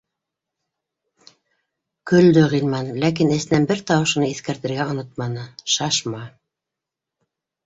Көлдө Ғилман, ләкин эсенән бер тауыш уны иҫкәртергә онотманы: шашма